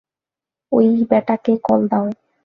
ওই ব্যাটাকে কল দাও।